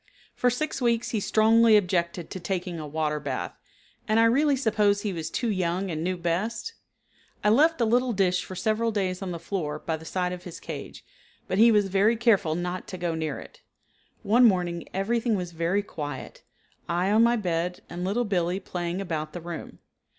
For six weeks he strongly objected to taking a water bath, and I really suppose he was too young and knew best. I left a little dish for several days on the floor by the side of his cage, but he was very careful not to go near it. One morning everything was very quiet, I on my bed and Little Billee playing about the room.